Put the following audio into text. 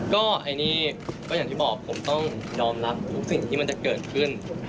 ก็ไอ้นี่ก็อย่างที่บอกผมต้องยอมรับทุกสิ่งที่มันจะเกิดขึ้น